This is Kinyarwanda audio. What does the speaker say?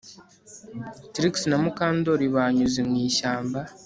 Trix na Mukandoli banyuze mu ishyamba